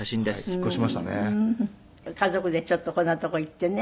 家族でちょっとこんな所行ってね。